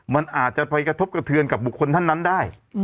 มันอาจจะไปกระทบกระเทือนกับบุคคลท่านนั้นได้